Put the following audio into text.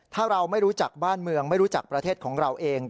ถ้าเราไม่รู้จักบ้านเมืองไม่รู้จักประเทศของเราเอง